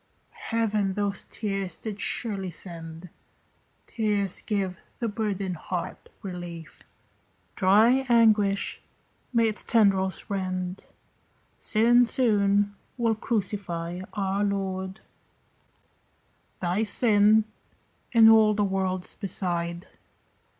Heaven those tears did surely send. Tears give the burdened heart relief; Dry anguish may its tendrils rend. Sin soon will crucify our Lord, Thy sin, and all the world's beside.